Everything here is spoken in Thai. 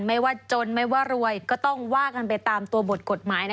ไม่ว่าจนไม่ว่ารวยก็ต้องว่ากันไปตามตัวบทกฎหมาย